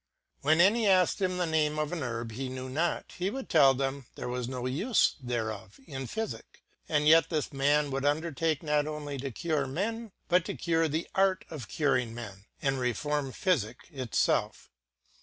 When any asked him the name of an herb he knew not, he would tell them there was no * ule thereof in Phy fickj & yet this man would undertake not onely to cure men, but to cure the Art of curing men, and reform Phyfick it ielf.